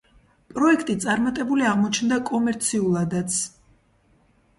პროექტი წარმატებული აღმოჩნდა კომერციულადაც.